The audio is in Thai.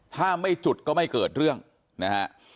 ถ้าไม่จุดก็ไม่เกิดเรื่องนะฮะ